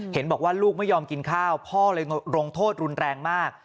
เห็นบอกว่าลูกไม่ยอมกินข้าวพ่อเลยลงโทษรุนแรงมาก